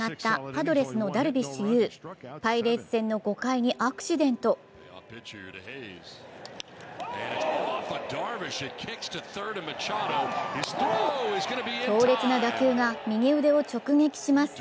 パイレーツ戦の５回にアクシデント強烈な打球が右腕を直撃します。